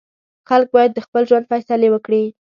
خلک باید د خپل ژوند فیصلې وکړي.